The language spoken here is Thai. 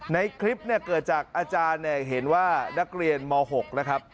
ในคลิปเนี่ยเกิดจากอาจารย์เห็นว่านักเรียนม๖นะครับ